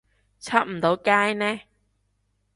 出唔到街呢